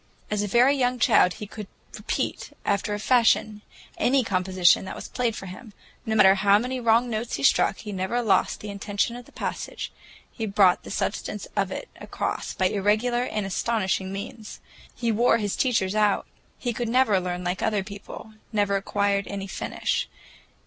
As a very young child he could repeat, after a fashion, any composition that was played for him. No matter how many wrong notes he struck, he never lost the intention of a passage, he brought the substance of it across by irregular and astonishing means. He wore his teachers out. He could never learn like other people, never acquired any finish.